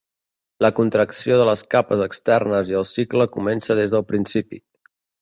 La contracció de les capes externes i el cicle comença des del principi.